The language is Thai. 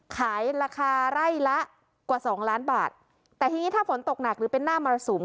ขายราคาไร่ละกว่าสองล้านบาทแต่ทีนี้ถ้าฝนตกหนักหรือเป็นหน้ามรสุม